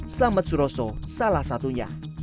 selamat suroso salah satunya